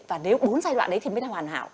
và nếu bốn giai đoạn đấy thì mới là hoàn hảo